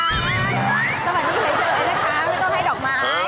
สวัสดีค่ะไม่ต้องให้ดอกไม้